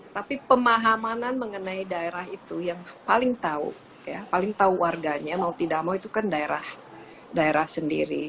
tapi pemahamanan mengenai daerah itu yang paling tahu paling tahu warganya mau tidak mau itu kan daerah daerah sendiri